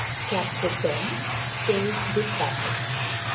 CHAPTER X. SAYING "GOOD BYE."